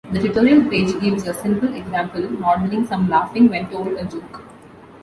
The tutorial page gives a simple example modeling some laughing when told a joke.